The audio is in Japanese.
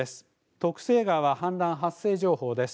徳須恵川、氾濫発生情報です。